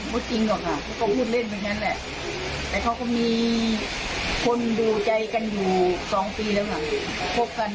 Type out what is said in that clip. ไม่จริงหรอกค่ะก็พูดเล่นเป็นแค่นั้นแหละแต่เขาก็มีคนดูใจกันอยู่สองปีแล้วค่ะ